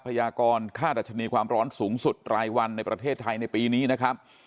พยากรค่าดัชนีความร้อนสูงสุดรายวันในประเทศไทยในปีนี้นะครับ